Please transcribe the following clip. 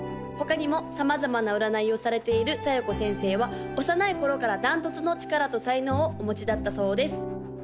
他にも様々な占いをされている小夜子先生は幼い頃から断トツの力と才能をお持ちだったそうです